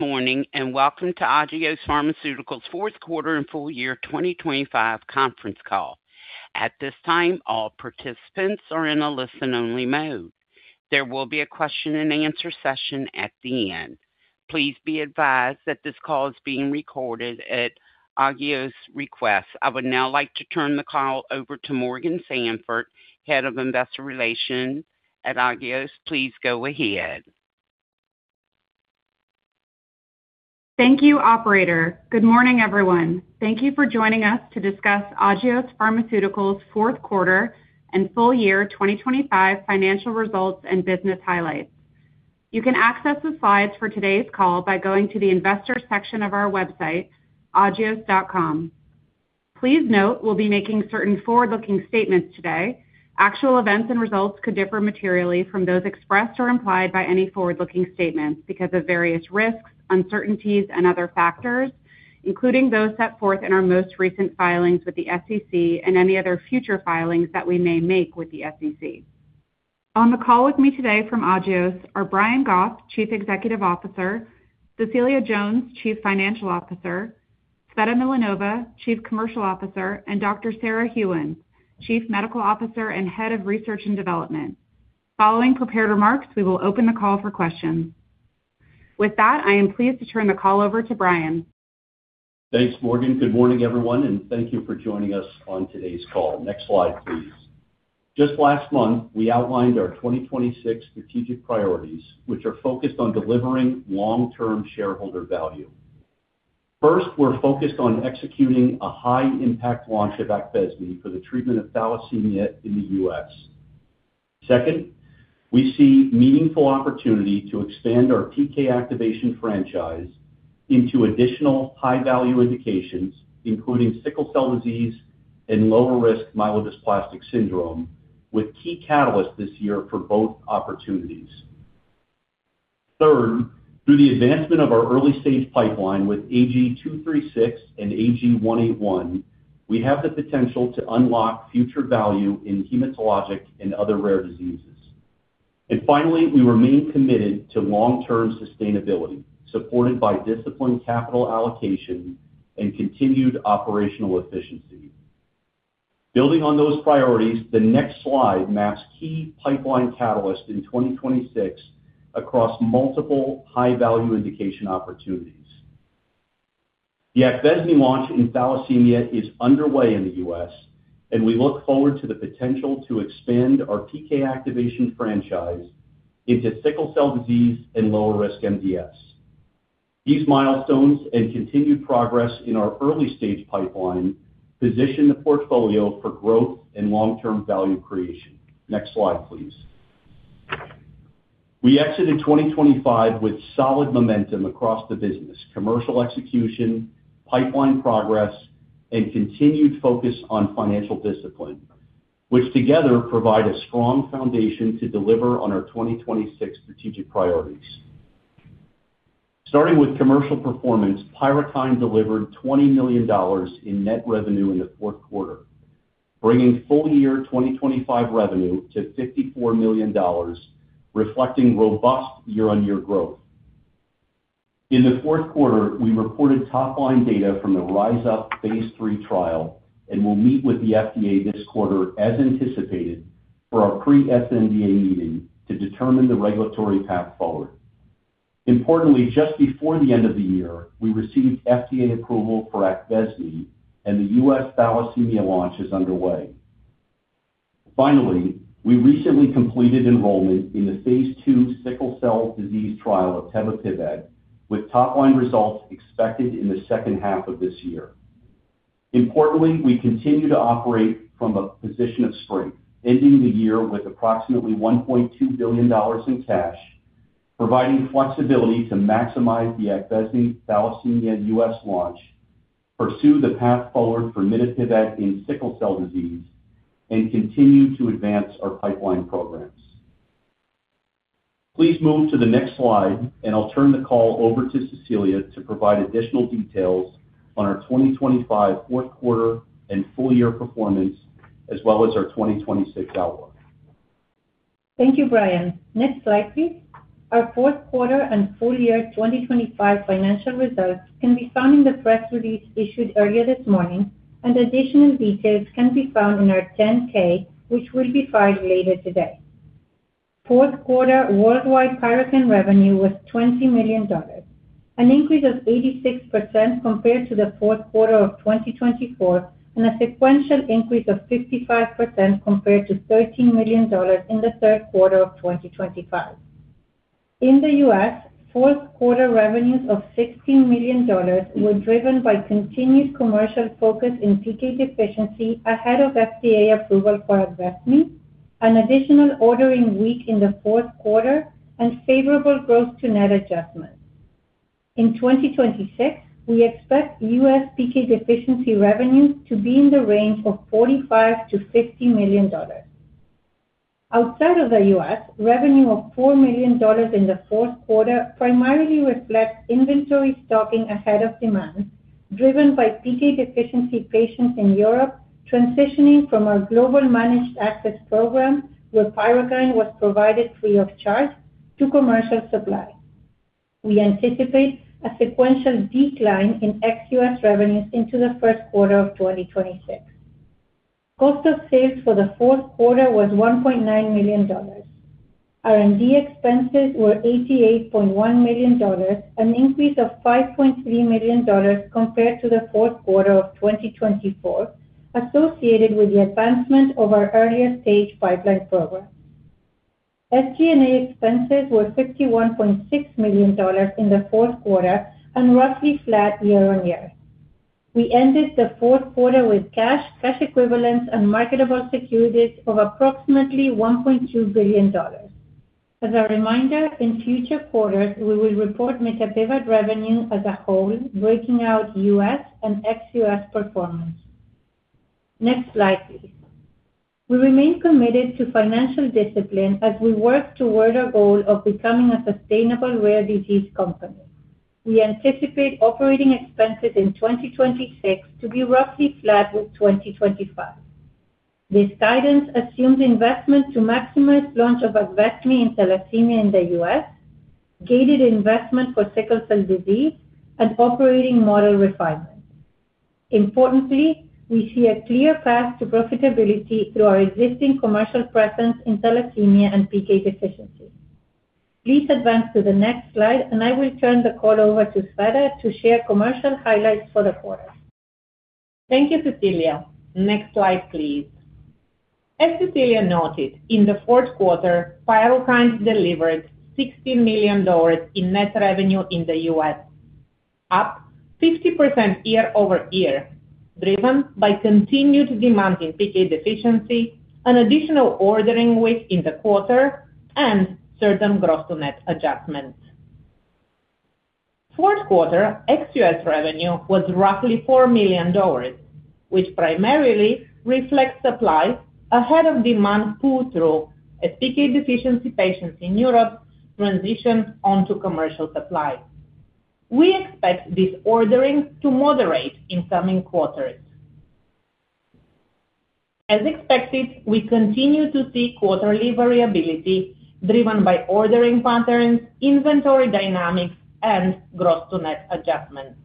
Good morning, and welcome to Agios Pharmaceuticals' fourth quarter and full year 2025 conference call. At this time, all participants are in a listen-only mode. There will be a question-and-answer session at the end. Please be advised that this call is being recorded at Agios' request. I would now like to turn the call over to Morgan Sanford, Head of Investor Relations at Agios. Please go ahead. Thank you, operator. Good morning, everyone. Thank you for joining us to discuss Agios Pharmaceuticals' fourth quarter and full year 2025 financial results and business highlights. You can access the slides for today's call by going to the Investors section of our website, agios.com. Please note, we'll be making certain forward-looking statements today. Actual events and results could differ materially from those expressed or implied by any forward-looking statements because of various risks, uncertainties, and other factors, including those set forth in our most recent filings with the SEC and any other future filings that we may make with the SEC. On the call with me today from Agios are Brian Goff, Chief Executive Officer; Cecilia Jones, Chief Financial Officer; Tsveta Milanova, Chief Commercial Officer; and Dr. Sarah Gheuens, Chief Medical Officer and Head of Research and Development. Following prepared remarks, we will open the call for questions. With that, I am pleased to turn the call over to Brian. Thanks, Morgan. Good morning, everyone, and thank you for joining us on today's call. Next slide, please. Just last month, we outlined our 2026 strategic priorities, which are focused on delivering long-term shareholder value. First, we're focused on executing a high-impact launch of Pyrukynd for the treatment of thalassemia in the U.S. Second, we see meaningful opportunity to expand our PK activation franchise into additional high-value indications, including sickle cell disease and lower-risk myelodysplastic syndrome, with key catalysts this year for both opportunities. Third, through the advancement of our early-stage pipeline with AG-236 and AG-181, we have the potential to unlock future value in hematologic and other rare diseases. And finally, we remain committed to long-term sustainability, supported by disciplined capital allocation and continued operational efficiency. Building on those priorities, the next slide maps key pipeline catalysts in 2026 across multiple high-value indication opportunities. The ACTIVASE launch in thalassemia is underway in the U.S., and we look forward to the potential to expand our PK activation franchise into sickle cell disease and lower-risk MDS. These milestones and continued progress in our early-stage pipeline position the portfolio for growth and long-term value creation. Next slide, please. We exited 2025 with solid momentum across the business, commercial execution, pipeline progress, and continued focus on financial discipline, which together provide a strong foundation to deliver on our 2026 strategic priorities. Starting with commercial performance, PYRUKYND delivered $20 million in net revenue in the fourth quarter, bringing full-year 2025 revenue to $54 million, reflecting robust year-on-year growth. In the fourth quarter, we reported top-line data from the RISE UP phase III trial, and will meet with the FDA this quarter, as anticipated, for our pre-sNDA meeting to determine the regulatory path forward. Importantly, just before the end of the year, we received FDA approval for ACTIVASE, and the U.S. thalassemia launch is underway. Finally, we recently completed enrollment in the phase II sickle cell disease trial of tebapivat, with top-line results expected in the second half of this year. Importantly, we continue to operate from a position of strength, ending the year with approximately $1.2 billion in cash, providing flexibility to maximize the ACTIVASE thalassemia U.S. launch, pursue the path forward for mitapivat in sickle cell disease, and continue to advance our pipeline programs. Please move to the next slide, and I'll turn the call over to Cecilia to provide additional details on our 2025 fourth quarter and full year performance, as well as our 2026 outlook. Thank you, Brian. Next slide, please. Our fourth quarter and full year 2025 financial results can be found in the press release issued earlier this morning, and additional details can be found in our 10-K, which will be filed later today. Fourth quarter worldwide PYRUKYND revenue was $20 million, an increase of 86% compared to the fourth quarter of 2024, and a sequential increase of 55% compared to $13 million in the third quarter of 2025. In the U.S., fourth quarter revenues of $16 million were driven by continued commercial focus in PK deficiency ahead of FDA approval for ACTIVASE, an additional ordering week in the fourth quarter, and favorable growth to net adjustments. In 2026, we expect U.S. PK deficiency revenues to be in the range of $45-$50 million. Outside of the US, revenue of $4 million in the fourth quarter primarily reflects inventory stocking ahead of demand-driven by PK deficiency patients in Europe, transitioning from our global managed access program, where PYRUKYND was provided free of charge, to commercial supply. We anticipate a sequential decline in ex-US revenues into the first quarter of 2026. Cost of sales for the fourth quarter was $1.9 million. R&D expenses were $88.1 million, an increase of $5.3 million compared to the fourth quarter of 2024, associated with the advancement of our earlier-stage pipeline program. SG&A expenses were $51.6 million in the fourth quarter and roughly flat year-on-year. We ended the fourth quarter with cash, cash equivalents, and marketable securities of approximately $1.2 billion. As a reminder, in future quarters, we will report mitapivat revenue as a whole, breaking out U.S. and ex-U.S. performance. Next slide, please. We remain committed to financial discipline as we work toward our goal of becoming a sustainable rare disease company. We anticipate operating expenses in 2026 to be roughly flat with 2025. This guidance assumes investment to maximize launch of ACTIVASE in thalassemia in the U.S., gated investment for sickle cell disease, and operating model refinement. Importantly, we see a clear path to profitability through our existing commercial presence in thalassemia and PK deficiency. Please advance to the next slide, and I will turn the call over to Tsveta to share commercial highlights for the quarter. Thank you, Cecilia. Next slide, please. As Cecilia noted, in the fourth quarter, PYRUKYND delivered $60 million in net revenue in the US, up 50% year-over-year, driven by continued demand in PK deficiency, an additional ordering week in the quarter, and certain gross-to-net adjustments. Fourth quarter ex-US revenue was roughly $4 million, which primarily reflects supply ahead of demand pull-through, as PK deficiency patients in Europe transition onto commercial supply. We expect this ordering to moderate in coming quarters. As expected, we continue to see quarterly variability driven by ordering patterns, inventory dynamics, and gross-to-net adjustments.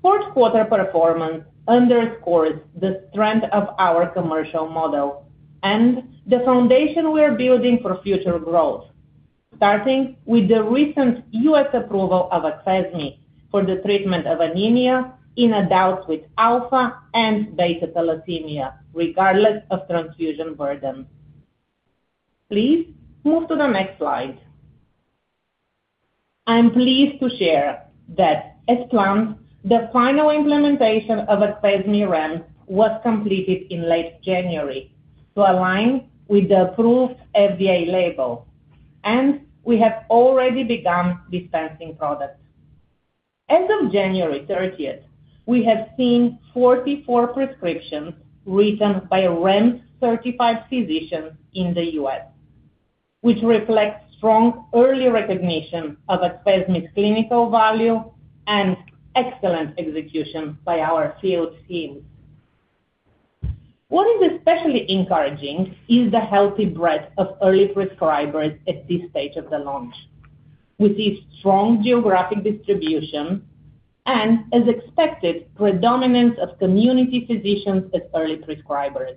Fourth quarter performance underscores the strength of our commercial model and the foundation we are building for future growth, starting with the recent US approval of ACTIVASE for the treatment of anemia in adults with alpha and beta thalassemia, regardless of transfusion burden. Please move to the next slide. I am pleased to share that, as planned, the final implementation of PYRUKYND REMS was completed in late January to align with the approved FDA label, and we have already begun dispensing products. As of January thirtieth, we have seen 44 prescriptions written by REMS-certified physicians in the US, which reflects strong early recognition of PYRUKYND's clinical value and excellent execution by our field teams. What is especially encouraging is the healthy breadth of early prescribers at this stage of the launch, with its strong geographic distribution and, as expected, predominance of community physicians as early prescribers.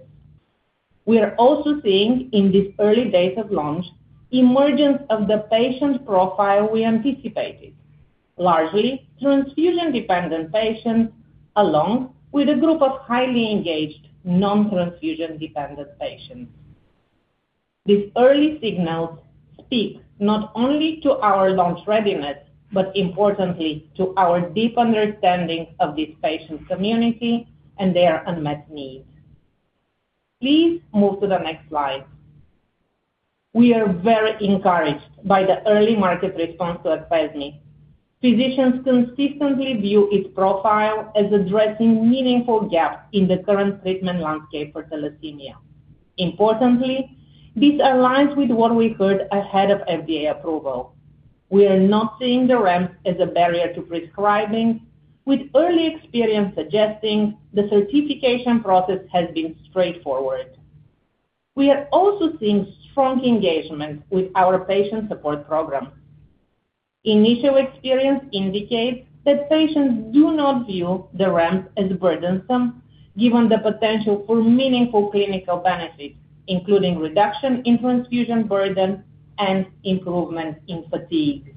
We are also seeing, in these early days of launch, emergence of the patient profile we anticipated, largely transfusion-dependent patients, along with a group of highly engaged non-transfusion-dependent patients. These early signals speak not only to our launch readiness, but importantly, to our deep understanding of this patient community and their unmet needs. Please move to the next slide. We are very encouraged by the early market response to ACTIVASE. Physicians consistently view its profile as addressing meaningful gaps in the current treatment landscape for thalassemia. Importantly, this aligns with what we heard ahead of FDA approval. We are not seeing the REMS as a barrier to prescribing, with early experience suggesting the certification process has been straightforward. We have also seen strong engagement with our patient support program. Initial experience indicates that patients do not view the REMS as burdensome, given the potential for meaningful clinical benefits, including reduction in transfusion burden and improvement in fatigue.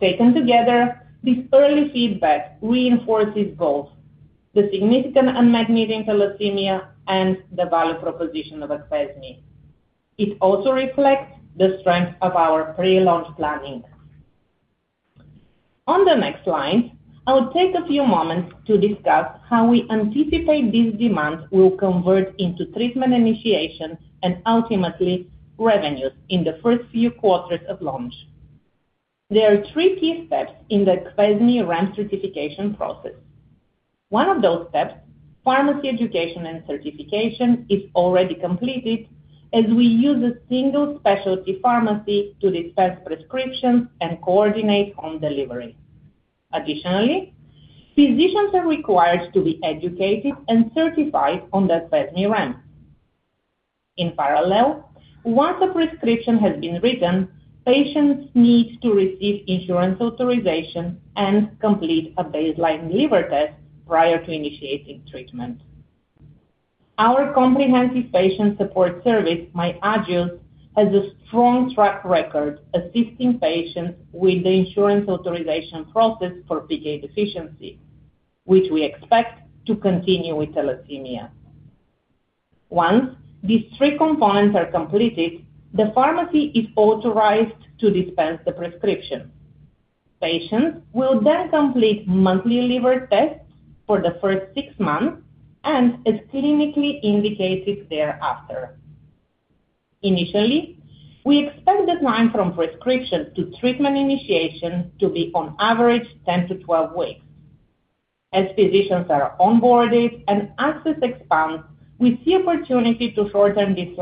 Taken together, this early feedback reinforces both the significant unmet need in thalassemia and the value proposition of ACTIVASE. It also reflects the strength of our pre-launch planning. On the next slide, I will take a few moments to discuss how we anticipate this demand will convert into treatment initiation and ultimately revenues in the first few quarters of launch. There are three key steps in the ACTIVASE REMS certification process. One of those steps, pharmacy education and certification, is already completed, as we use a single specialty pharmacy to dispense prescriptions and coordinate on delivery. Additionally, physicians are required to be educated and certified on the ACTIVASE brand. In parallel, once a prescription has been written, patients need to receive insurance authorization and complete a baseline liver test prior to initiating treatment. Our comprehensive patient support service, My Agios, has a strong track record assisting patients with the insurance authorization process for PK deficiency, which we expect to continue with thalassemia. Once these three components are completed, the pharmacy is authorized to dispense the prescription. Patients will then complete monthly liver tests for the first six months and as clinically indicated thereafter. Initially, we expect the time from prescription to treatment initiation to be on average 10-12 weeks. As physicians are onboarded and access expands, we see opportunity to shorten this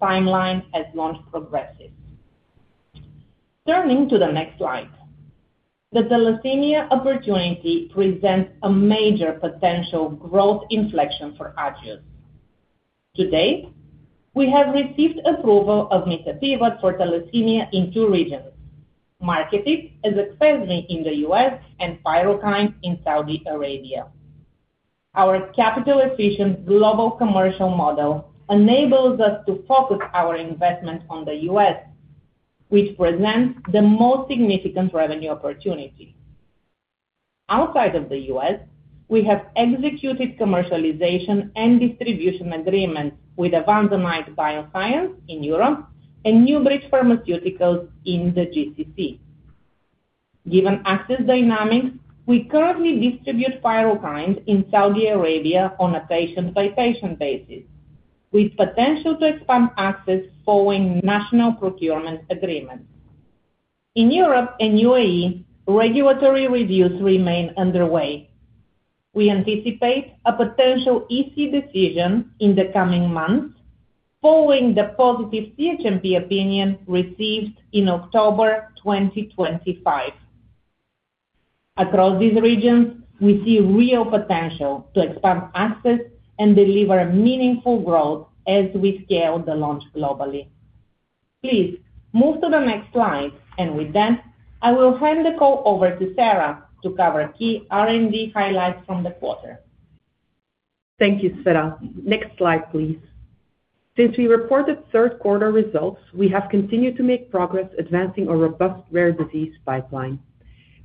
timeline as launch progresses. Turning to the next slide. The thalassemia opportunity presents a major potential growth inflection for Agios. To date, we have received approval of mitapivat for thalassemia in two regions, marketed as ACTIVASE in the US and Fyrokind in Saudi Arabia. Our capital-efficient global commercial model enables us to focus our investment on the US, which presents the most significant revenue opportunity. Outside of the US, we have executed commercialization and distribution agreements with Advanz Pharma in Europe and NewBridge Pharmaceuticals in the GCC. Given access dynamics, we currently distribute Fyrokind in Saudi Arabia on a patient-by-patient basis, with potential to expand access following national procurement agreements. In Europe and UAE, regulatory reviews remain underway. We anticipate a potential EC decision in the coming months following the positive CHMP opinion received in October 2025. Across these regions, we see real potential to expand access and deliver meaningful growth as we scale the launch globally. Please move to the next slide, and with that, I will hand the call over to Sarah to cover key R&D highlights from the quarter. Thank you, Tsveta. Next slide, please. Since we reported third quarter results, we have continued to make progress advancing our robust rare disease pipeline.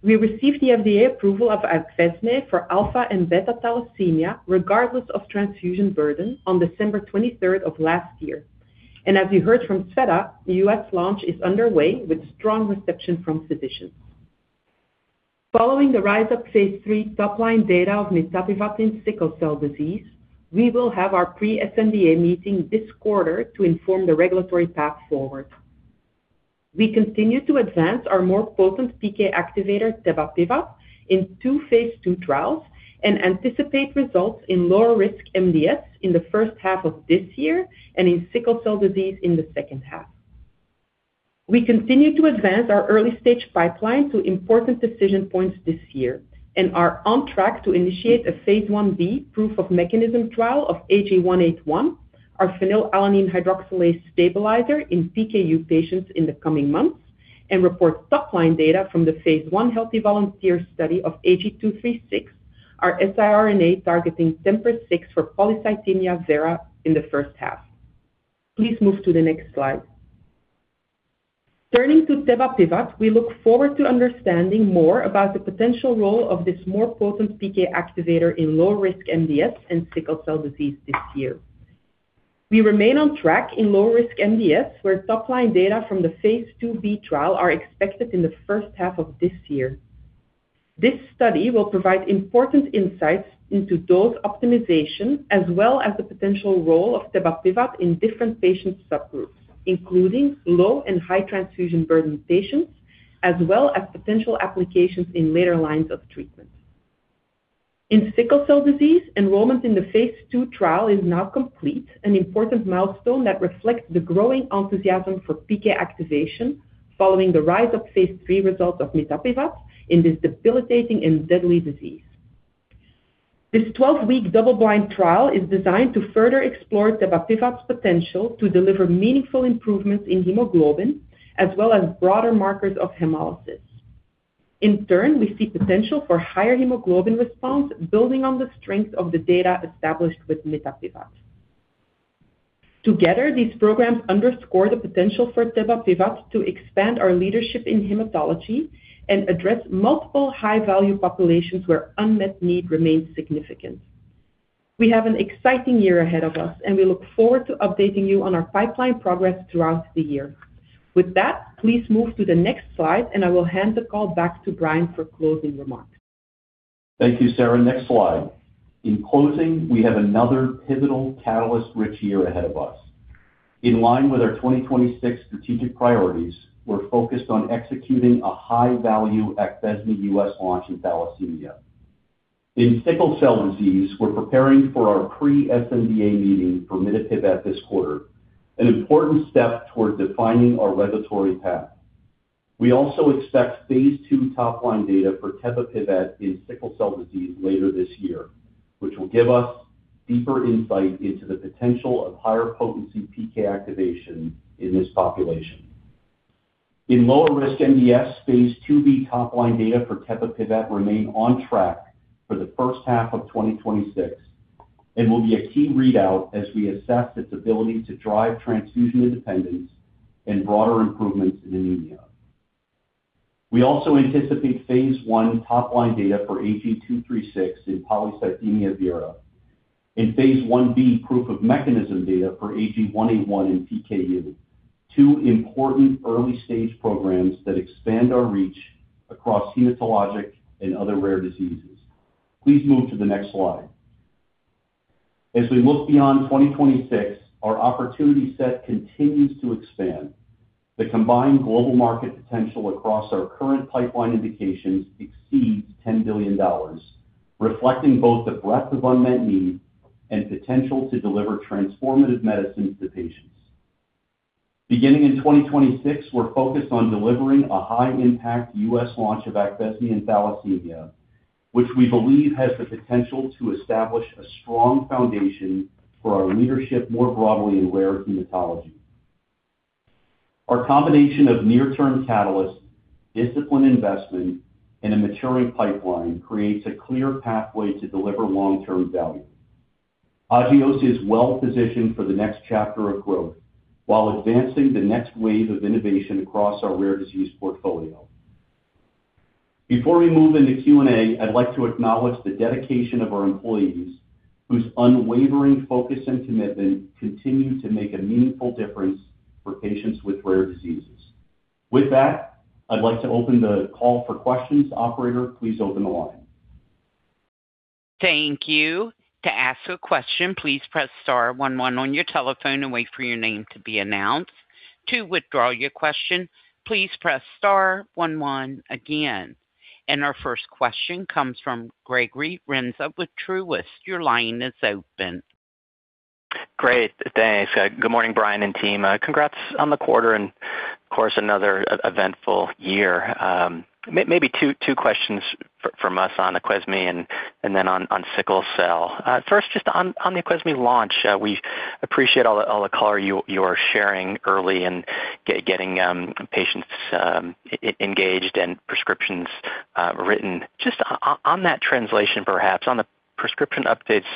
We received the FDA approval of PYRUKYND for alpha and beta thalassemia, regardless of transfusion burden, on December 23 of last year. As you heard from Tsveta, the US launch is underway with strong reception from physicians. Following the RISE UP phase III top-line data of mitapivat in sickle cell disease, we will have our pre-sNDA meeting this quarter to inform the regulatory path forward. We continue to advance our more potent PK activator, tebapivat, in two phase II trials and anticipate results in lower-risk MDS in the first half of this year and in sickle cell disease in the second half. We continue to advance our early-stage pipeline to important decision points this year and are on track to initiate a phase Ib proof of mechanism trial of AG-181, our phenylalanine hydroxylase stabilizer in PKU patients in the coming months, and report top-line data from the phase I healthy volunteer study of AG-236, our siRNA targeting TMPRSS6 for polycythemia vera in the first half. Please move to the next slide. Turning to tebapivat, we look forward to understanding more about the potential role of this more potent PK activator in low-risk MDS and sickle cell disease this year. We remain on track in low-risk MDS, where top-line data from the phase IIB trial are expected in the first half of this year. This study will provide important insights into dose optimization, as well as the potential role of tebapivat in different patient subgroups, including low and high transfusion burden patients, as well as potential applications in later lines of treatment. In sickle cell disease, enrollment in the phase II trial is now complete, an important milestone that reflects the growing enthusiasm for PK activation following the RISE UP phase III results of mitapivat in this debilitating and deadly disease. This 12-week double-blind trial is designed to further explore tebapivat's potential to deliver meaningful improvements in hemoglobin, as well as broader markers of hemolysis. In turn, we see potential for higher hemoglobin response, building on the strength of the data established with mitapivat. Together, these programs underscore the potential for tebapivat to expand our leadership in hematology and address multiple high-value populations where unmet need remains significant. We have an exciting year ahead of us, and we look forward to updating you on our pipeline progress throughout the year. With that, please move to the next slide, and I will hand the call back to Brian for closing remarks. Thank you, Sarah. Next slide. In closing, we have another pivotal, catalyst-rich year ahead of us. In line with our 2026 strategic priorities, we're focused on executing a high-value ACTIVASE US launch in thalassemia. In sickle cell disease, we're preparing for our pre-sNDA meeting for mitapivat this quarter, an important step toward defining our regulatory path. We also expect phase II top line data for tebapivat in sickle cell disease later this year, which will give us deeper insight into the potential of higher potency PK activation in this population. In lower-risk MDS, phase 2b top line data for tebapivat remain on track for the first half of 2026 and will be a key readout as we assess its ability to drive transfusion independence and broader improvements in anemia. We also anticipate phase I top line data for AG-236 in polycythemia vera, and phase 1b proof of mechanism data for AG-181 in PKU, two important early-stage programs that expand our reach across hematologic and other rare diseases. Please move to the next slide. As we look beyond 2026, our opportunity set continues to expand. The combined global market potential across our current pipeline indications exceeds $10 billion, reflecting both the breadth of unmet need and potential to deliver transformative medicines to patients. Beginning in 2026, we're focused on delivering a high-impact US launch of ACTIVASE and thalassemia, which we believe has the potential to establish a strong foundation for our leadership more broadly in rare hematology. Our combination of near-term catalysts, disciplined investment, and a maturing pipeline creates a clear pathway to deliver long-term value. Agios is well positioned for the next chapter of growth while advancing the next wave of innovation across our rare disease portfolio. Before we move into Q&A, I'd like to acknowledge the dedication of our employees, whose unwavering focus and commitment continue to make a meaningful difference for patients with rare diseases. With that, I'd like to open the call for questions. Operator, please open the line. Thank you. To ask a question, please press star one one on your telephone and wait for your name to be announced. To withdraw your question, please press star one one again. Our first question comes from Gregory Renza with Truist. Your line is open. Great. Thanks. Good morning, Brian and team. Congrats on the quarter and, of course, another eventful year. Maybe two questions from us on ACTIVASE and then on sickle cell. First, just on the ACTIVASE launch, we appreciate all the color you are sharing early and getting patients engaged and prescriptions written. Just on that translation, perhaps on the prescription updates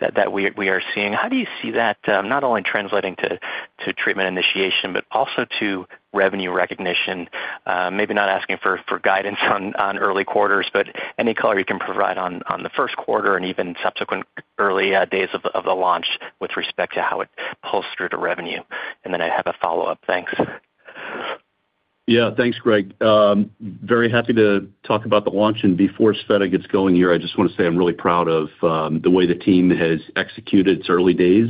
that we are seeing, how do you see that not only translating to treatment initiation, but also to revenue recognition? Maybe not asking for guidance on early quarters, but any color you can provide on the first quarter and even subsequent early days of the launch with respect to how it bolstered revenue. And then I have a follow-up. Thanks. Yeah. Thanks, Greg. Very happy to talk about the launch. And before Tsveta gets going here, I just want to say I'm really proud of the way the team has executed its early days,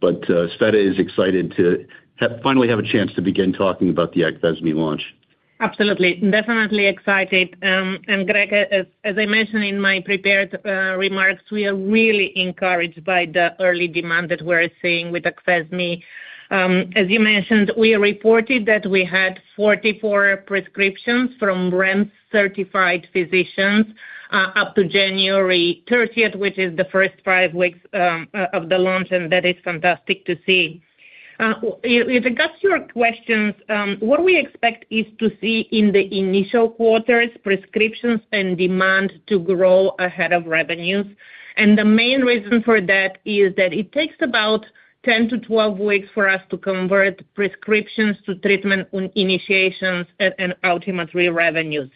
but Tsveta is excited to finally have a chance to begin talking about the ACTIVASE launch. Absolutely. Definitely excited. Greg, as I mentioned in my prepared remarks, we are really encouraged by the early demand that we're seeing with ACTIVASE. As you mentioned, we reported that we had 44 prescriptions from REMS-certified physicians up to January thirtieth, which is the first five weeks of the launch, and that is fantastic to see. With regards to your questions, what we expect is to see in the initial quarters, prescriptions and demand to grow ahead of revenues. And the main reason for that is that it takes about 10-12 weeks for us to convert prescriptions to treatment initiations and ultimately, revenues.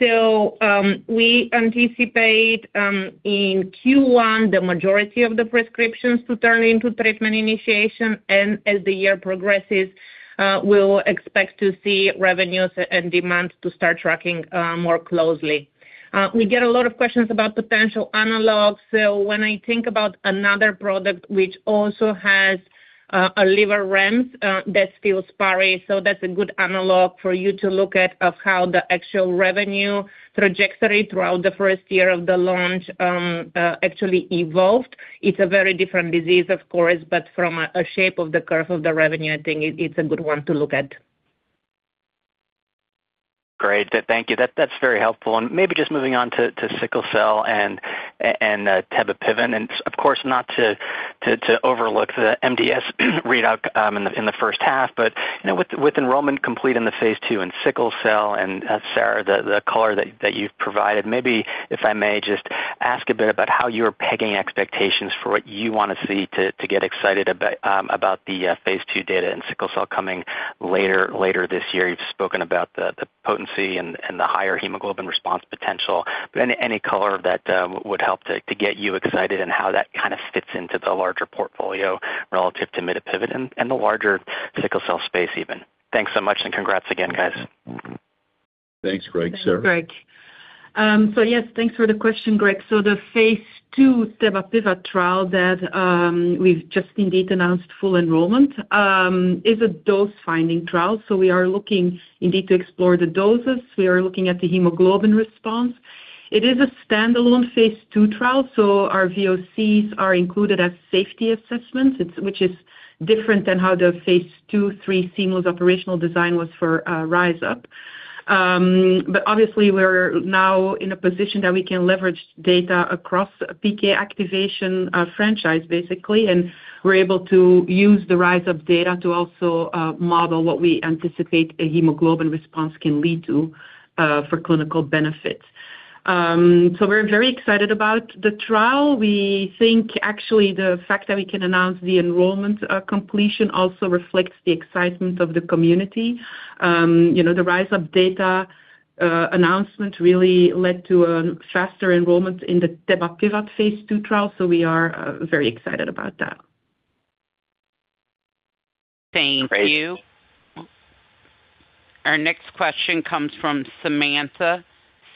We anticipate in Q1 the majority of the prescriptions to turn into treatment initiation, and as the year progresses, we'll expect to see revenues and demand to start tracking more closely. We get a lot of questions about potential analogs. So when I think about another product which also has a liver REMS, that's Filspari. So that's a good analog for you to look at, of how the actual revenue trajectory throughout the first year of the launch actually evolved. It's a very different disease, of course, but from a shape of the curve of the revenue, I think it, it's a good one to look at. Great. Thank you. That's very helpful. And maybe just moving on to sickle cell and tebapivat, and of course, not to overlook the MDS readout in the first half. But you know, with enrollment complete in the phase two in sickle cell and Sarah, the color that you've provided, maybe if I may just ask a bit about how you're pegging expectations for what you want to see to get excited about the phase two data in sickle cell coming later this year. You've spoken about the potency and the higher hemoglobin response potential, but any color that would help to get you excited and how that kind of fits into the larger portfolio relative to mitapivat and the larger sickle cell space even. Thanks so much, and congrats again, guys.... Thanks, Greg. Sarah? Thanks, Greg. So yes, thanks for the question, Greg. So the phase 2 tebapivat trial that we've just indeed announced full enrollment is a dose-finding trial, so we are looking indeed to explore the doses. We are looking at the hemoglobin response. It is a standalone phase 2 trial, so our VOCs are included as safety assessments. It's different than how the phase 2/3 seamless operational design was for RISE UP. But obviously, we're now in a position that we can leverage data across PK activation franchise, basically, and we're able to use the RISE UP data to also model what we anticipate a hemoglobin response can lead to for clinical benefit. So we're very excited about the trial. We think actually the fact that we can announce the enrollment completion also reflects the excitement of the community. You know, the RISE UP data announcement really led to a faster enrollment in the tebapivat phase II trial, so we are very excited about that. Thank you. Our next question comes from Samantha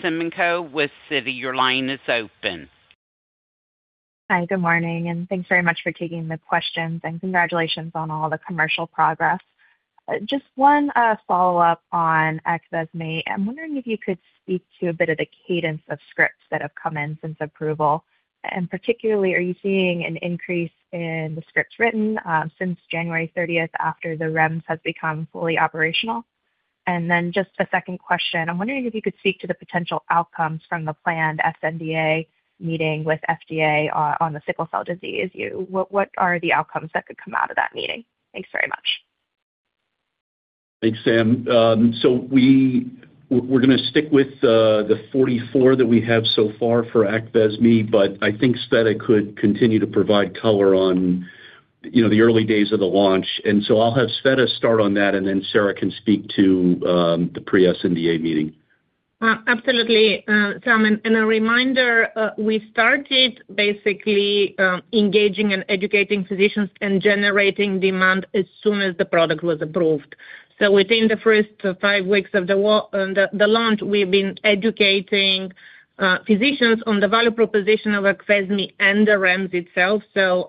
Semenkow with Citi. Your line is open. Hi, good morning, and thanks very much for taking the questions, and congratulations on all the commercial progress. Just one follow-up on ACTIVASE. I'm wondering if you could speak to a bit of the cadence of scripts that have come in since approval, and particularly, are you seeing an increase in the scripts written since January thirtieth, after the REMS has become fully operational? And then just a second question. I'm wondering if you could speak to the potential outcomes from the planned sNDA meeting with FDA on the sickle cell disease. What are the outcomes that could come out of that meeting? Thanks very much. Thanks, Sam. So we're gonna stick with the 44 that we have so far for ACTIVASE, but I think Tsveta could continue to provide color on, you know, the early days of the launch. So I'll have Tsveta start on that, and then Sarah can speak to the pre-sNDA meeting. Absolutely, Sam, and a reminder, we started basically engaging and educating physicians and generating demand as soon as the product was approved. So within the first five weeks of the launch, we've been educating physicians on the value proposition of ACTIVASE and the REMS itself. So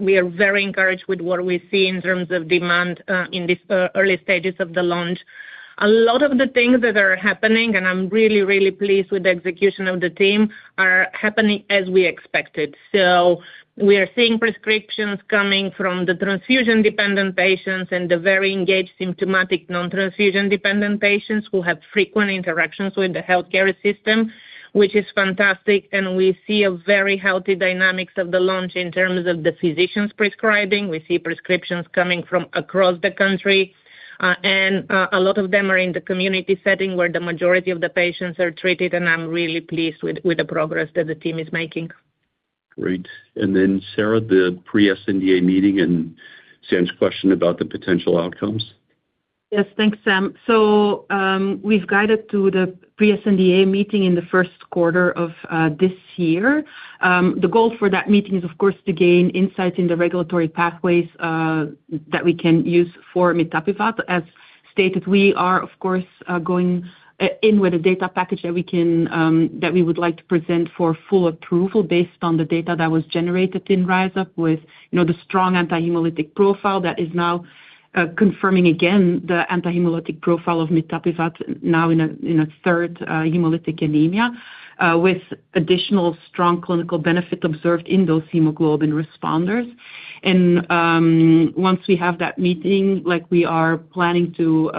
we are very encouraged with what we see in terms of demand in these early stages of the launch. A lot of the things that are happening, and I'm really, really pleased with the execution of the team, are happening as we expected. So we are seeing prescriptions coming from the transfusion-dependent patients and the very engaged, symptomatic, non-transfusion-dependent patients who have frequent interactions with the healthcare system, which is fantastic. And we see a very healthy dynamics of the launch in terms of the physicians prescribing. We see prescriptions coming from across the country, and a lot of them are in the community setting, where the majority of the patients are treated, and I'm really pleased with the progress that the team is making. Great. And then, Sarah, the pre-sNDA meeting and Sam's question about the potential outcomes. Yes, thanks, Sam. So, we've guided to the pre-sNDA meeting in the first quarter of this year. The goal for that meeting is, of course, to gain insights in the regulatory pathways that we can use for mitapivat. As stated, we are, of course, going in with a data package that we would like to present for full approval based on the data that was generated in RISE UP with, you know, the strong anti-hemolytic profile that is now confirming again the anti-hemolytic profile of mitapivat now in a third hemolytic anemia with additional strong clinical benefit observed in those hemoglobin responders. And once we have that meeting, like, we are planning to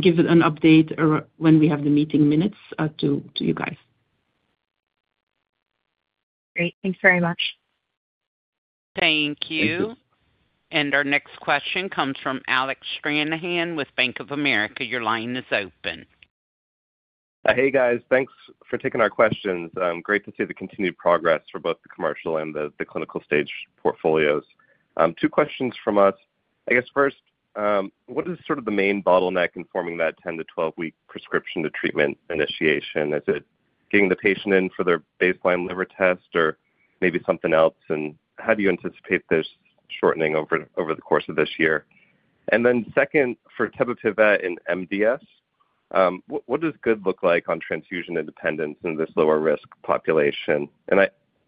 give an update or when we have the meeting minutes to you guys. Great. Thanks very much. Thank you. Thank you. Our next question comes from Alec Stranahan with Bank of America. Your line is open. Hey, guys. Thanks for taking our questions. Great to see the continued progress for both the commercial and the clinical stage portfolios. Two questions from us. I guess first, what is sort of the main bottleneck in forming that 10- to 12-week prescription to treatment initiation? Is it getting the patient in for their baseline liver test or maybe something else? And how do you anticipate this shortening over the course of this year? And then second, for tebapivat in MDS, what does good look like on transfusion independence in this lower-risk population? And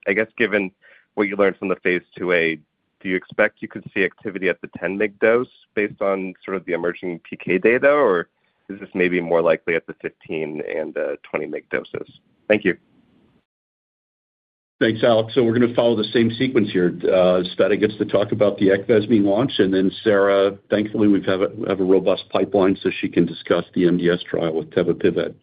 I guess, given what you learned from the phase IIa, do you expect you could see activity at the 10 mg dose based on sort of the emerging PK data, or is this maybe more likely at the 15 and twenty mg doses? Thank you. Thanks, Alec. So we're gonna follow the same sequence here. Tsveta gets to talk about the ACTIVASE launch, and then Sarah, thankfully, we've have a robust pipeline, so she can discuss the MDS trial with tebapivat.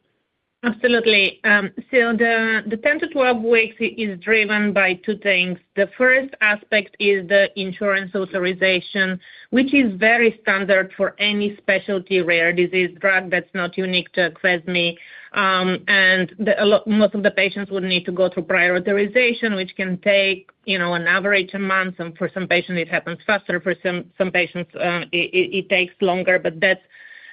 Absolutely. So the 10-12 weeks is driven by two things. The first aspect is the insurance authorization, which is very standard for any specialty rare disease drug. That's not unique to ACTIVASE. And most of the patients would need to go through prior authorization, which can take, you know, on average, a month, and for some patients, it happens faster. For some patients, it takes longer, but that's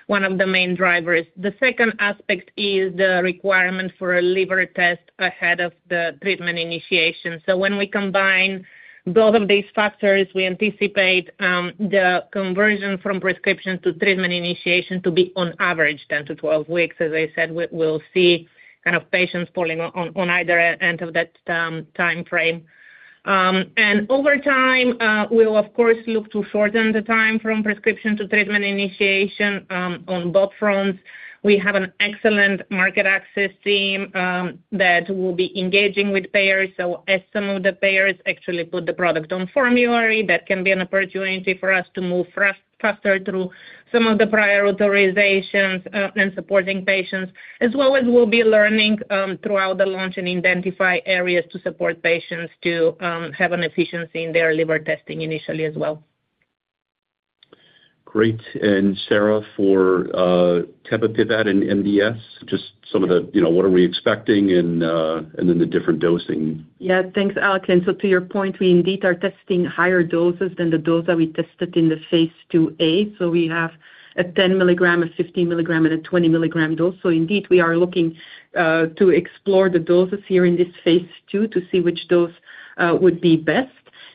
one of the main drivers. The second aspect is the requirement for a liver test ahead of the treatment initiation. So when we combine both of these factors, we anticipate the conversion from prescription to treatment initiation to be on average, 10-12 weeks. As I said, we'll see kind of patients falling on either end of that time frame. And over time, we'll of course look to shorten the time from prescription to treatment initiation on both fronts. We have an excellent market access team that will be engaging with payers. So as some of the payers actually put the product on formulary, that can be an opportunity for us to move faster through some of the prior authorizations and supporting patients, as well as we'll be learning throughout the launch and identify areas to support patients to have an efficiency in their liver testing initially as well. Great. And Sarah, for tebapivat in MDS, just some of the, you know, what are we expecting? And then the different dosing. Yeah, thanks, Alec. So to your point, we indeed are testing higher doses than the dose that we tested in the phase 2a. So we have a 10 milligram, a 15 milligram, and a 20 milligram dose. So indeed, we are looking to explore the doses here in this phase II to see which dose would be best.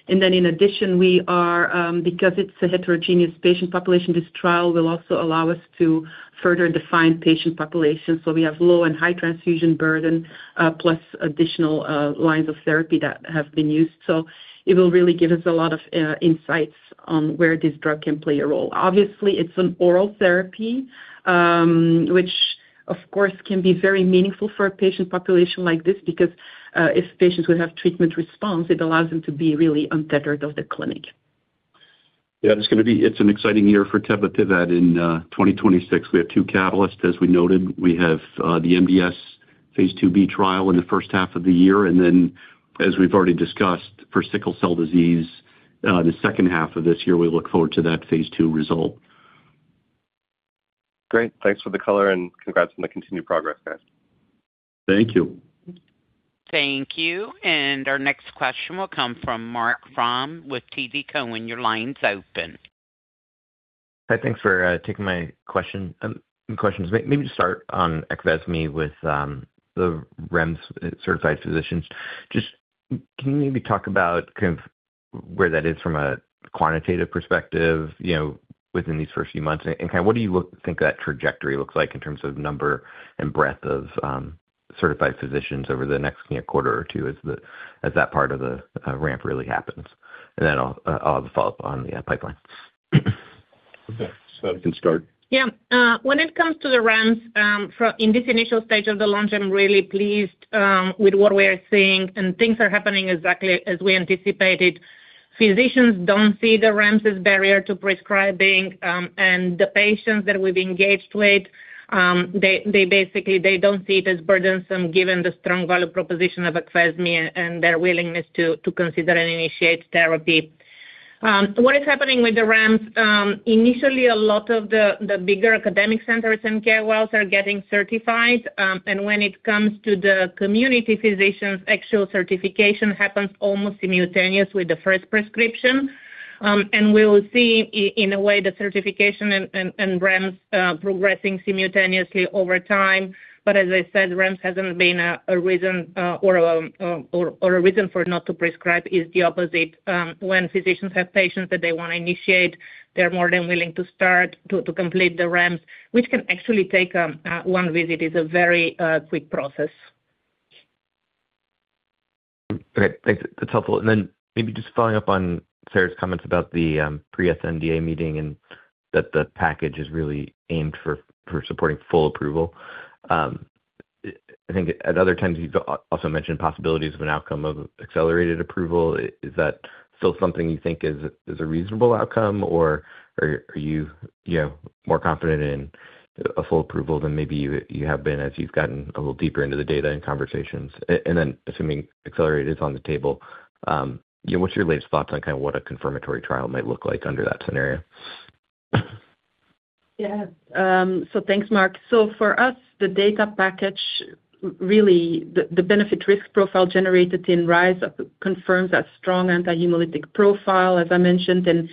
And then in addition, we are because it's a heterogeneous patient population, this trial will also allow us to further define patient populations. So we have low and high transfusion burden plus additional lines of therapy that have been used. So it will really give us a lot of insights on where this drug can play a role. Obviously, it's an oral therapy, which of course, can be very meaningful for a patient population like this, because, if patients would have treatment response, it allows them to be really untethered of the clinic. Yeah, it's gonna be... It's an exciting year for tebapivat. In 2026, we have 2 catalysts. As we noted, we have the MDS phase 2B trial in the first half of the year, and then, as we've already discussed, for sickle cell disease, the second half of this year, we look forward to that phase II result. Great. Thanks for the color, and congrats on the continued progress, guys. Thank you. Thank you. Our next question will come from Mark Breidenbach with TD Cowen. Your line's open. Hi, thanks for taking my question, questions. Maybe to start on ACTIVASE with the REMS-certified physicians. Just can you maybe talk about kind of where that is from a quantitative perspective, you know, within these first few months? And kind of what do you think that trajectory looks like in terms of number and breadth of certified physicians over the next, you know, quarter or two as that part of the ramp really happens? And then I'll have a follow-up on the pipeline. Okay, you can start. Yeah. When it comes to the REMS, in this initial stage of the launch, I'm really pleased with what we are seeing, and things are happening exactly as we anticipated. Physicians don't see the REMS as barrier to prescribing, and the patients that we've engaged with, they basically don't see it as burdensome, given the strong value proposition of ACTIVASE and their willingness to consider and initiate therapy. What is happening with the REMS? Initially, a lot of the bigger academic centers and care worlds are getting certified, and when it comes to the community physicians, actual certification happens almost simultaneous with the first prescription. And we will see in a way, the certification and REMS progressing simultaneously over time. But as I said, REMS hasn't been a reason or a reason for not to prescribe. It's the opposite. When physicians have patients that they wanna initiate, they're more than willing to start to complete the REMS, which can actually take one visit. It's a very quick process. Great. Thanks. That's helpful. And then maybe just following up on Sarah's comments about the pre-sNDA meeting, and that the package is really aimed for supporting full approval. I think at other times you've also mentioned possibilities of an outcome of accelerated approval. Is that still something you think is a reasonable outcome, or are you, you know, more confident in a full approval than maybe you have been as you've gotten a little deeper into the data and conversations? And then assuming accelerated is on the table, yeah, what's your latest thoughts on kind of what a confirmatory trial might look like under that scenario? Yeah. So thanks, Mark. So for us, the data package, really, the benefit risk profile generated in RISE confirms a strong anti-hemolytic profile, as I mentioned, and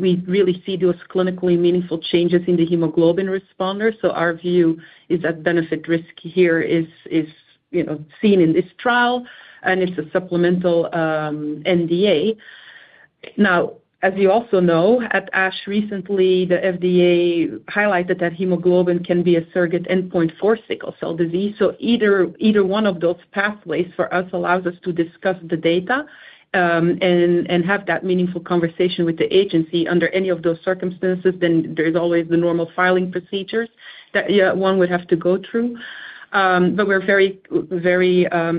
we really see those clinically meaningful changes in the hemoglobin responders. So our view is that benefit risk here is, you know, seen in this trial, and it's a supplemental NDA. Now, as you also know, at ASH, recently, the FDA highlighted that hemoglobin can be a surrogate endpoint for sickle cell disease. So either one of those pathways for us allows us to discuss the data and have that meaningful conversation with the agency under any of those circumstances. Then there's always the normal filing procedures that one would have to go through. But we're very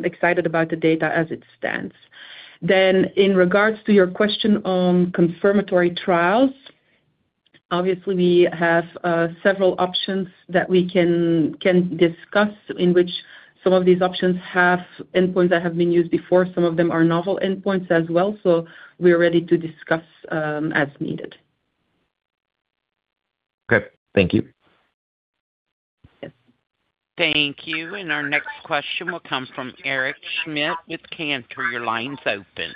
excited about the data as it stands. In regards to your question on confirmatory trials, obviously, we have several options that we can discuss, in which some of these options have endpoints that have been used before. Some of them are novel endpoints as well, so we're ready to discuss as needed. Okay. Thank you. Thank you. And our next question will come from Eric Schmidt with Cantor. Your line is open.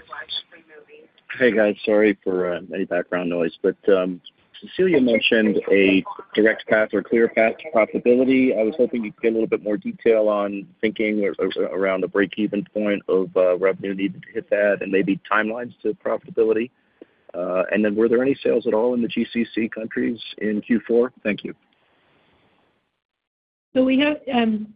Hey, guys. Sorry for any background noise, but Cecilia mentioned a direct path or clear path to profitability. I was hoping you'd get a little bit more detail on thinking around the breakeven point of revenue needed to hit that and maybe timelines to profitability. And then were there any sales at all in the GCC countries in Q4? Thank you. So we have,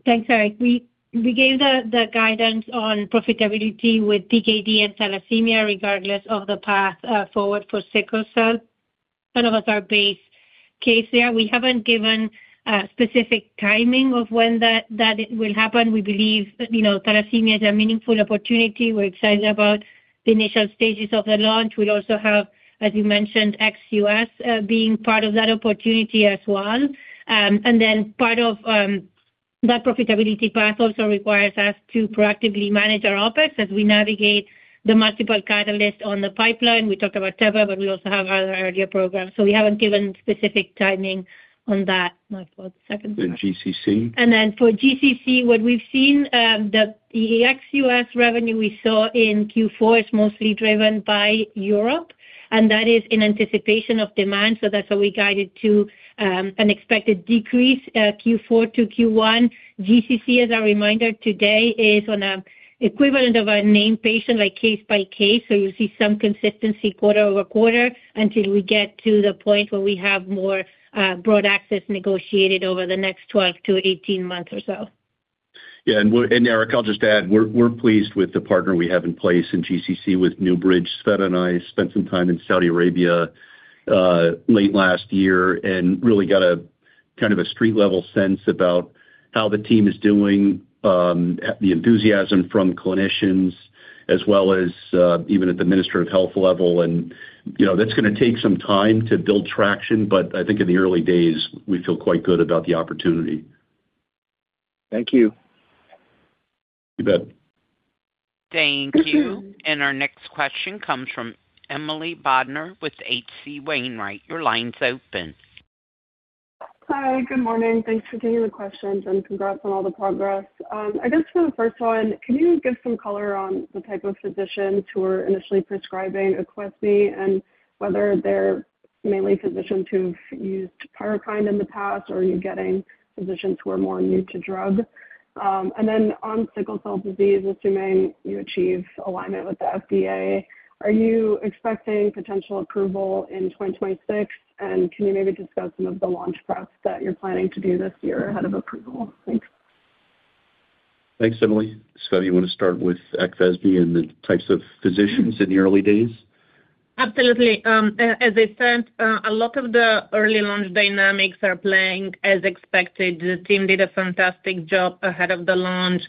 Thanks, Eric. We gave the guidance on profitability with PKD and thalassemia, regardless of the path forward for sickle cell. Kind of as our base case there. We haven't given specific timing of when that it will happen. We believe, you know, thalassemia is a meaningful opportunity. We're excited about the initial stages of the launch. We also have, as you mentioned, ex US being part of that opportunity as well. And then part of that profitability path also requires us to proactively manage our OpEx as we navigate the multiple catalysts on the pipeline. We talked about tebapivat, but we also have our earlier programs, so we haven't given specific timing on that. My fault. Second. In GCC? And then for GCC, what we've seen, the ex US revenue we saw in Q4 is mostly driven by Europe, and that is in anticipation of demand, so that's why we guided to an expected decrease, Q4 to Q1. GCC, as a reminder today, is on an equivalent of a named patient, like, case by case, so you'll see some consistency quarter over quarter until we get to the point where we have more broad access negotiated over the next 12-18 months or so. Yeah, Eric, I'll just add, we're pleased with the partner we have in place in GCC with NewBridge. Tsveta and I spent some time in Saudi Arabia late last year and really got a kind of a street-level sense about how the team is doing, the enthusiasm from clinicians, as well as even at the Minister of Health level. And, you know, that's gonna take some time to build traction, but I think in the early days, we feel quite good about the opportunity. Thank you. You bet. Thank you. Our next question comes from Emily Bodnar with H.C. Wainwright. Your line's open. Hi, good morning. Thanks for taking the questions, and congrats on all the progress. I guess for the first one, can you give some color on the type of physicians who are initially prescribing Activase and whether they're mainly physicians who've used PYRUKYND in the past, or are you getting physicians who are more new to drug? And then on sickle cell disease, assuming you achieve alignment with the FDA, are you expecting potential approval in 2026? And can you maybe discuss some of the launch prep that you're planning to do this year ahead of approval? Thanks. Thanks, Emily. Tsveta, you want to start with ACTIVASE and the types of physicians in the early days? Absolutely. As I said, a lot of the early launch dynamics are playing as expected. The team did a fantastic job ahead of the launch,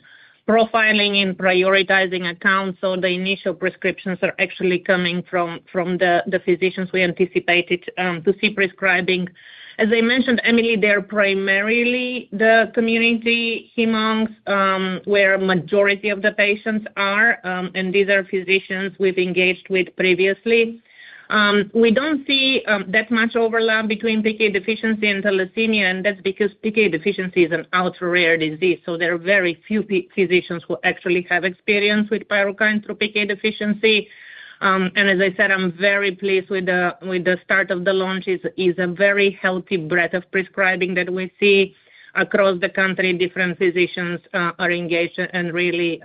profiling and prioritizing accounts, so the initial prescriptions are actually coming from the physicians we anticipated to see prescribing. As I mentioned, Emily, they're primarily the community hemons, where a majority of the patients are, and these are physicians we've engaged with previously. We don't see that much overlap between PK deficiency and thalassemia, and that's because PK deficiency is an ultra-rare disease, so there are very few physicians who actually have experience with PYRUKYND through PK deficiency. And as I said, I'm very pleased with the start of the launch. It's a very healthy breadth of prescribing that we see across the country. Different physicians are engaged and really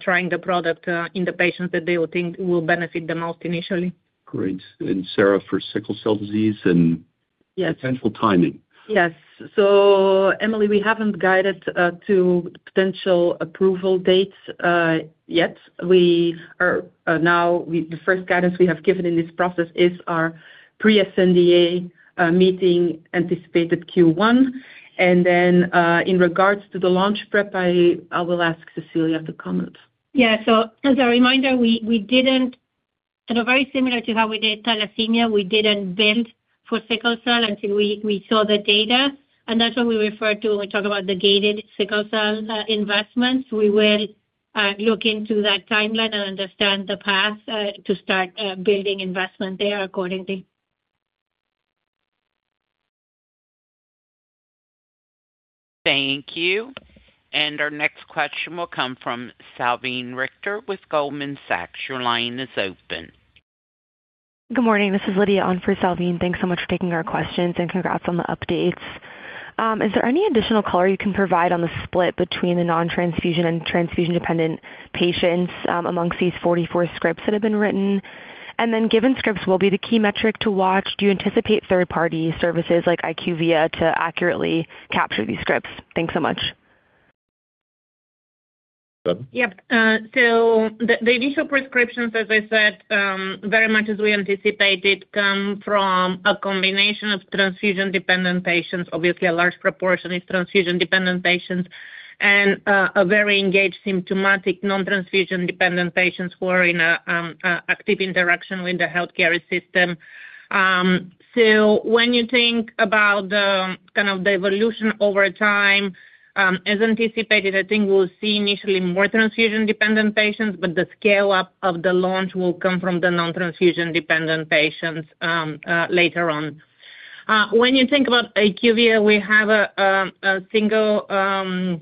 trying the product in the patients that they would think will benefit the most initially. Great. And Sarah, for sickle cell disease and- Yes. -potential timing. Yes. So Emily, we haven't guided to potential approval dates yet. We are now the first guidance we have given in this process is our pre-sNDA meeting, anticipated Q1. And then, in regards to the launch prep, I will ask Cecilia to comment. Yeah. So as a reminder, we didn't, and very similar to how we did thalassemia, we didn't build for sickle cell until we saw the data, and that's what we refer to when we talk about the gated sickle cell investments. We will look into that timeline and understand the path to start building investment there accordingly. Thank you. Our next question will come from Salveen Richter with Goldman Sachs. Your line is open. Good morning. This is Lydia on for Salveen. Thanks so much for taking our questions, and congrats on the updates. Is there any additional color you can provide on the split between the non-transfusion and transfusion-dependent patients, among these 44 scripts that have been written? And then, given scripts will be the key metric to watch, do you anticipate third-party services like IQVIA to accurately capture these scripts? Thanks so much. Tsveta? Yep. So the initial prescriptions, as I said, very much as we anticipated, come from a combination of transfusion-dependent patients. Obviously, a large proportion is transfusion-dependent patients and a very engaged symptomatic non-transfusion-dependent patients who are in an active interaction with the healthcare system. So when you think about the kind of evolution over time, as anticipated, I think we'll see initially more transfusion-dependent patients, but the scale-up of the launch will come from the non-transfusion-dependent patients later on. When you think about IQVIA, we have a single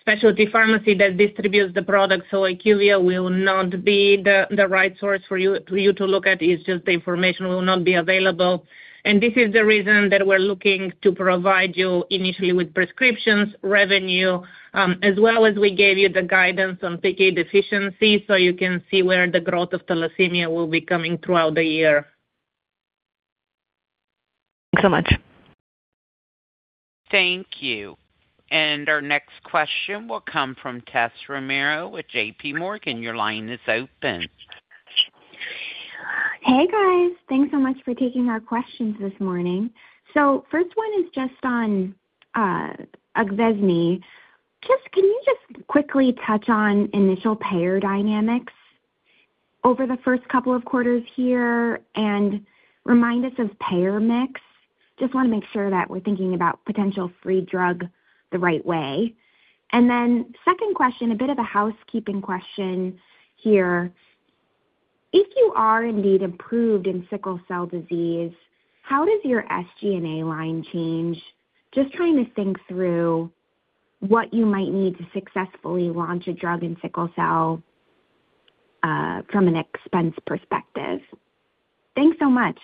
specialty pharmacy that distributes the product, so IQVIA will not be the right source for you to look at. It's just the information will not be available, and this is the reason that we're looking to provide you initially with prescriptions, revenue, as well as we gave you the guidance on PK deficiency, so you can see where the growth of thalassemia will be coming throughout the year. Thanks so much. Thank you. And our next question will come from Tessa Romero with J.P. Morgan. Your line is open. Hey, guys. Thanks so much for taking our questions this morning. So first one is just on Activase. Just can you just quickly touch on initial payer dynamics over the first couple of quarters here and remind us of payer mix? Just want to make sure that we're thinking about potential free drug the right way. And then second question, a bit of a housekeeping question here. If you are indeed approved in sickle cell disease, how does your SG&A line change? Just trying to think through what you might need to successfully launch a drug in sickle cell, from an expense perspective. Thanks so much.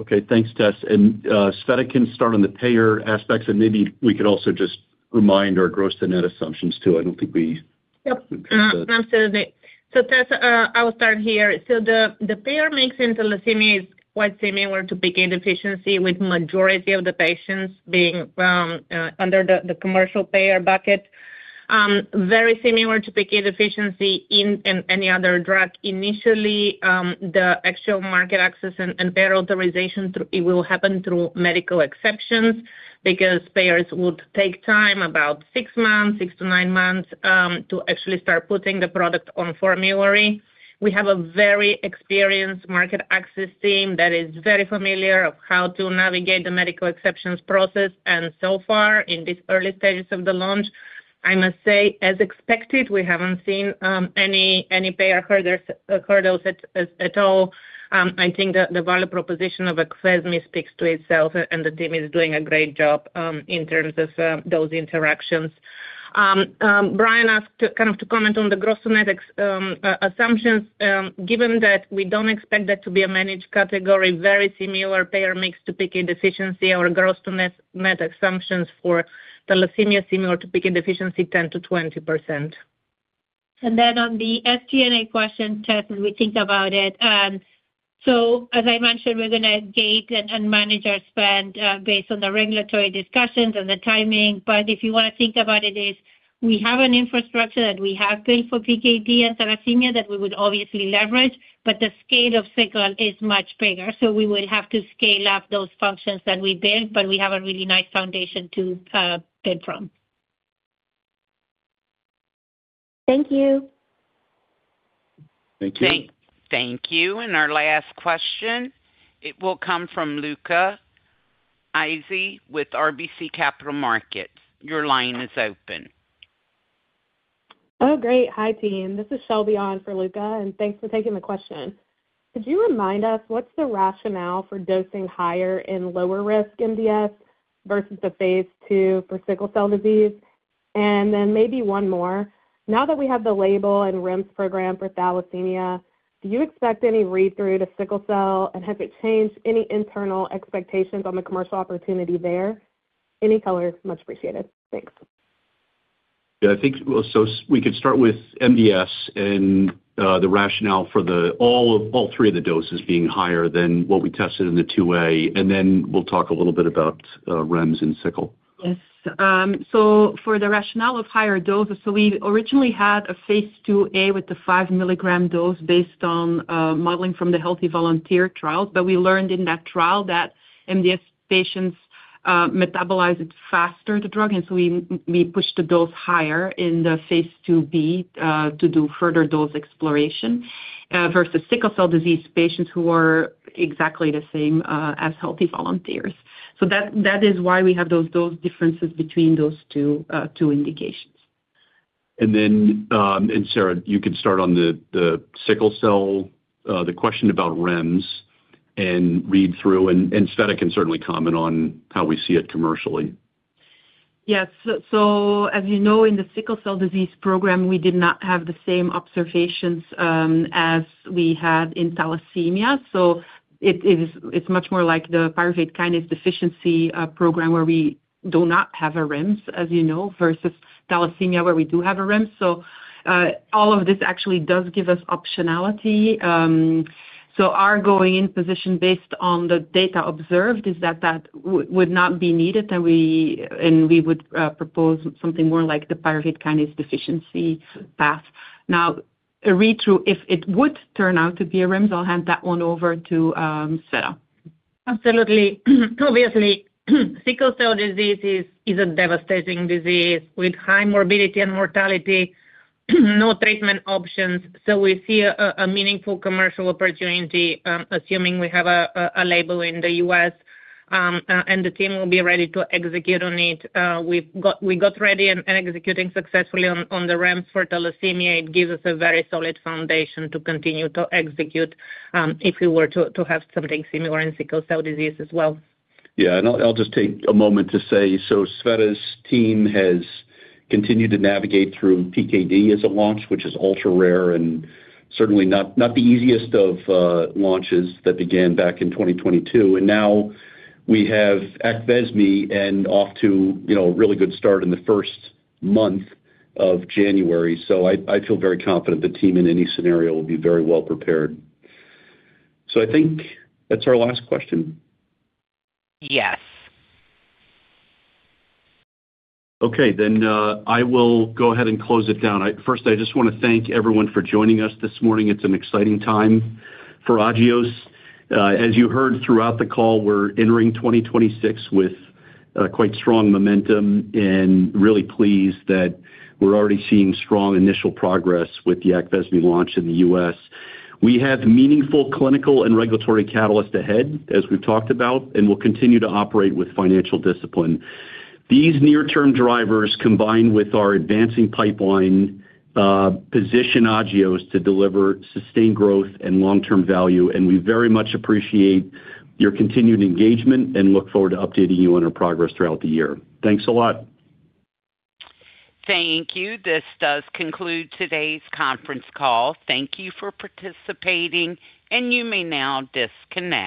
Okay. Thanks, Tessa. And, Tsveta can start on the payer aspects, and maybe we could also just remind our gross to net assumptions, too. I don't think we- Yep. Absolutely. So Tessa, I will start here. So the payer mix in thalassemia is quite similar to PK deficiency, with majority of the patients being under the commercial payer bucket. Very similar to PK deficiency in any other drug. Initially, the actual market access and payer authorization through it will happen through medical exceptions because payers would take time, about 6 months, 6-9 months, to actually start putting the product on formulary. We have a very experienced market access team that is very familiar of how to navigate the medical exceptions process, and so far, in these early stages of the launch, I must say, as expected, we haven't seen any payer hurdles at all. I think the value proposition of ACTIVASE speaks to itself, and the team is doing a great job in terms of those interactions. Brian asked to kind of comment on the gross to net ex assumptions. Given that we don't expect that to be a managed category, very similar payer mix to PK deficiency or gross to net net assumptions for thalassemia similar to PK deficiency, 10%-20%. And then on the SG&A question, Tess, as we think about it, so as I mentioned, we're gonna gauge and manage our spend based on the regulatory discussions and the timing. But if you wanna think about it, is we have an infrastructure that we have built for PKD and thalassemia that we would obviously leverage, but the scale of sickle is much bigger, so we would have to scale up those functions that we built, but we have a really nice foundation to build from. Thank you. Thank you. Thank you. Our last question, it will come from Luca Issi with RBC Capital Markets. Your line is open. Oh, great. Hi, team. This is Shelby on for Luca, and thanks for taking the question. Could you remind us what's the rationale for dosing higher in lower-risk MDS versus the phase II for sickle cell disease? And then maybe one more. Now that we have the label and REMS program for thalassemia, do you expect any read-through to sickle cell, and has it changed any internal expectations on the commercial opportunity there? Any color is much appreciated. Thanks. Yeah, I think we could start with MDS and the rationale for all three of the doses being higher than what we tested in the 2A, and then we'll talk a little bit about REMS and sickle. Yes. So for the rationale of higher doses, so we originally had a phase 2A with the 5-milligram dose based on modeling from the healthy volunteer trial, but we learned in that trial that MDS patients metabolize it faster, the drug, and so we pushed the dose higher in the phase 2B to do further dose exploration versus sickle cell disease patients who are exactly the same as healthy volunteers. So that is why we have those dose differences between those two indications. And then, Sarah, you could start on the sickle cell question about REMS and read-through, and Tsveta can certainly comment on how we see it commercially. Yes. So as you know, in the sickle cell disease program, we did not have the same observations as we had in thalassemia. So it is much more like the pyruvate kinase deficiency program, where we do not have a REMS, as you know, versus thalassemia, where we do have a REMS. So all of this actually does give us optionality. Our going in position based on the data observed is that that would not be needed, and we would propose something more like the pyruvate kinase deficiency path. Now, a read-through, if it would turn out to be a REMS, I'll hand that one over to Tsveta. Absolutely. Obviously, sickle cell disease is a devastating disease with high morbidity and mortality, no treatment options, so we see a meaningful commercial opportunity, assuming we have a label in the US, and the team will be ready to execute on it. We've got ready and executing successfully on the REMS for thalassemia. It gives us a very solid foundation to continue to execute, if we were to have something similar in sickle cell disease as well. Yeah, and I'll, I'll just take a moment to say, so Tsveta's team has continued to navigate through PKD as a launch, which is ultra-rare and certainly not, not the easiest of launches that began back in 2022. And now we have PYRUKYND off to, you know, a really good start in the first month of January. So I, I feel very confident the team in any scenario will be very well prepared. So I think that's our last question? Yes. Okay. Then, I will go ahead and close it down. I first, I just wanna thank everyone for joining us this morning. It's an exciting time for Agios. As you heard throughout the call, we're entering 2026 with quite strong momentum and really pleased that we're already seeing strong initial progress with the PYRUKYND launch in the US. We have meaningful clinical and regulatory catalyst ahead, as we've talked about, and we'll continue to operate with financial discipline. These near-term drivers, combined with our advancing pipeline, position Agios to deliver sustained growth and long-term value, and we very much appreciate your continued engagement and look forward to updating you on our progress throughout the year. Thanks a lot. Thank you. This does conclude today's conference call. Thank you for participating, and you may now disconnect.